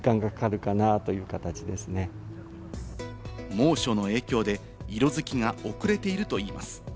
猛暑の影響で、色づきが遅れているといいます。